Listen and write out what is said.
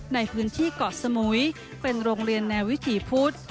ในพื้นที่เกาะสมุยเป็นโรงเรียนแนววิถีพุธ